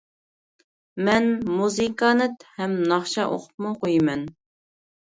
مەن مۇزىكانت ھەم ناخشا ئوقۇپمۇ قويىمەن.